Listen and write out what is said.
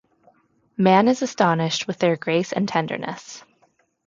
Man is astonished with their grace and tenderness.